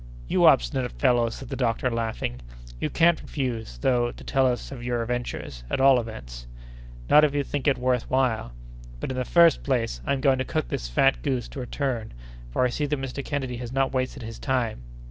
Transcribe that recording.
"You obstinate fellow!" said the doctor, laughing; "you can't refuse, though, to tell us your adventures, at all events." "Not if you think it worth while. But, in the first place, I'm going to cook this fat goose to a turn, for I see that Mr. Kennedy has not wasted his time."